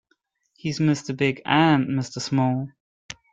He's Mr. Big and Mr. Small.